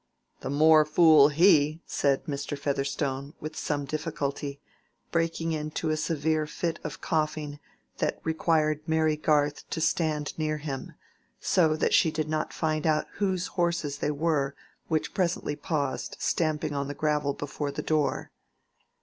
"The more fool he!" said Mr. Featherstone, with some difficulty; breaking into a severe fit of coughing that required Mary Garth to stand near him, so that she did not find out whose horses they were which presently paused stamping on the gravel before the door.